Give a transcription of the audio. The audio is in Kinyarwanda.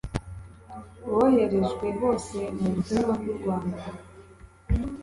boherejwe hose mu butumwa mu rwanda